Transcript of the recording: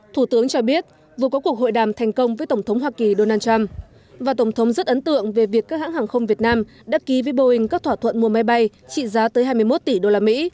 thủ tướng cho biết vừa có cuộc hội đàm thành công với tổng thống hoa kỳ donald trump và tổng thống rất ấn tượng về việc các hãng hàng không việt nam đã ký với boeing các thỏa thuận mua máy bay trị giá tới hai mươi một tỷ đô la mỹ